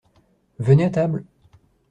Venez à table.